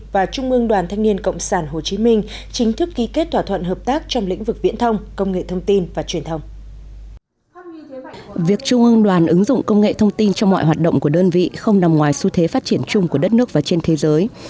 việc trung ương đoàn ứng dụng công nghệ thông tin cho mọi hoạt động của đơn vị không nằm ngoài xu thế phát triển chung của đất nước và trên thế giới